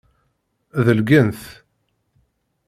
Delgen-t.